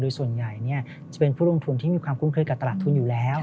โดยส่วนใหญ่จะเป็นผู้ลงทุนที่มีความคุ้นเคยกับตลาดทุนอยู่แล้ว